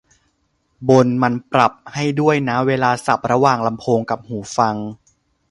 บน มันปรับ ให้ด้วยนะ เวลาสับระหว่างลำโพงกับหูฟัง